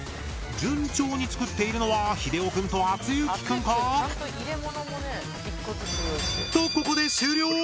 順調に作っているのはひでお君とあつゆき君か？とここで終了！